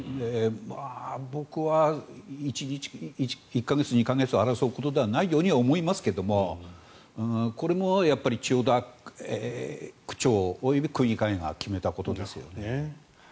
僕は１か月２か月を争うことではないように思いますがこれも千代田区長及び区議会が決めたことですね。